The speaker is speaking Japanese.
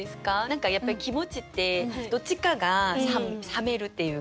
何かやっぱり気持ちってどっちかが冷めるっていう。